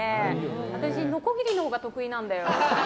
私、のこぎりのほうが得意なんだよ。